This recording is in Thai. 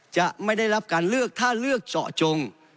จะไม่ได้รับการเลือกถ้าเลือกเจาะจง